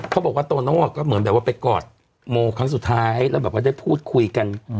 โตโน่ก็เหมือนแบบว่าไปกอดโมครั้งสุดท้ายแล้วแบบว่าได้พูดคุยกัน